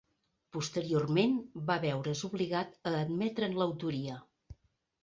Posteriorment va veure's obligat a admetre'n l'autoria.